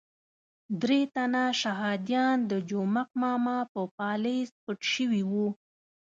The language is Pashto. درې تنه شهادیان د جومک ماما په پالیز پټ شوي وو.